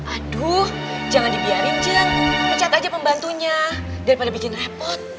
aduh jangan dibiarin jan pecat aja pembantunya daripada bikin repot